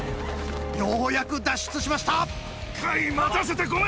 ようやく脱出しました。